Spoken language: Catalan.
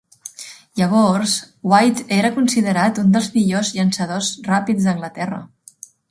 Llavors, White era considerat un dels millors llançadors ràpids d'Anglaterra.